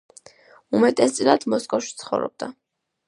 უმეტესწილად მოსკოვში ცხოვრობდა.